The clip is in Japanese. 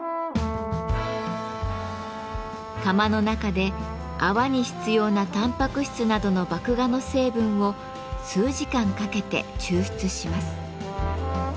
釜の中で泡に必要なタンパク質などの麦芽の成分を数時間かけて抽出します。